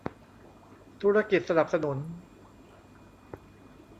ธุรกิจสนับสนุน